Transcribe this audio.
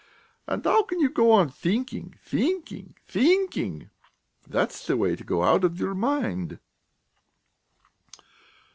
And how can you go on thinking, thinking, thinking?... That's the way to go out of your mind!"